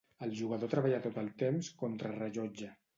El jugador treballa tot el temps contrarellotge.